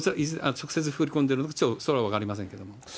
直接振り込んでるのかそれは分かりませんけれども。